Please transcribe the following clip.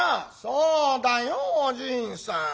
「そうだよおじいさん。